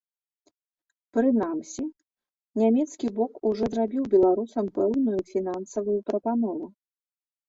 Прынамсі, нямецкі бок ужо зрабіў беларусам пэўную фінансавую прапанову.